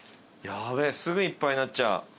ヤベえすぐいっぱいになっちゃう。